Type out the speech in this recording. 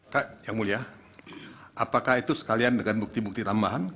kak yang mulia apakah itu sekalian dengan bukti bukti tambahan